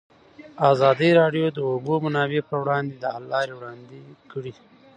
ازادي راډیو د د اوبو منابع پر وړاندې د حل لارې وړاندې کړي.